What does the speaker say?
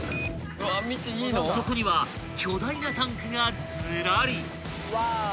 ［そこには巨大なタンクがずらり］